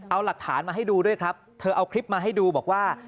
เอาหลักฐานมาให้ดูด้วยครับเธอเอาคลิปมาให้ดูบอกว่า